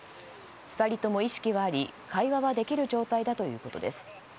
２人とも意識はあり会話はできる状態だということです。